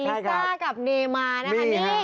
ลิซ่ากับเนมานะคะนี่